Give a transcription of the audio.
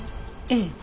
ええ。